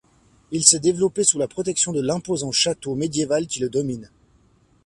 Il s'est développé sous la protection de l'imposant château médiéval qui le domine.